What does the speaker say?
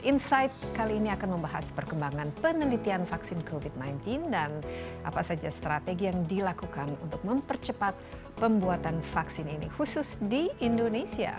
insight kali ini akan membahas perkembangan penelitian vaksin covid sembilan belas dan apa saja strategi yang dilakukan untuk mempercepat pembuatan vaksin ini khusus di indonesia